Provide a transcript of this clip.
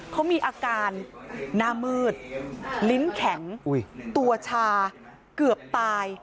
เขามีอาการหน้ามืดลิ้นแข็งตัวชาเกือบตาย